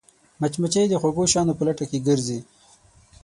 مچمچۍ د خوږو شیانو په لټه کې ګرځي